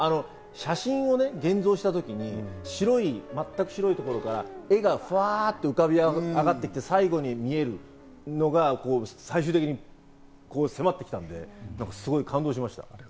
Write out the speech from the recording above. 写真をね、現像した時に全く白いところから絵がフワっと浮かびあがってきて、最後に見えるのが、最終的にせまってきたんで感動しました。